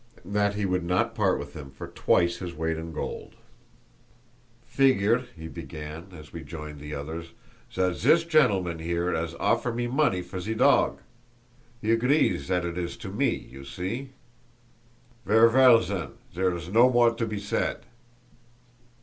that he would not part with him for twice his weight in gold. "Figure," he began, as we joined the others, "zat zis gentilman 'ere 'as offer me money for ze dog! He agrees zat it is to me, you see? Ver' well, zen, zere is no more to be said!"